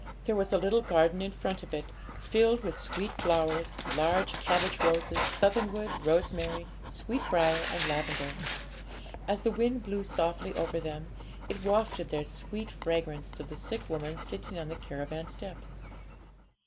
There was a little garden in front of it, filled with sweet flowers, large cabbage roses, southernwood, rosemary, sweetbriar, and lavender. As the wind blew softly over them, it wafted their sweet fragrance to the sick woman sitting on the caravan steps.